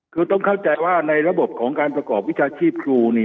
คือต้องเข้าใจว่าในระบบของการประกอบวิชาชีพครู